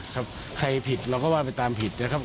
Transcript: ใครผิดเราก็ว่าไปตามผิดนะครับ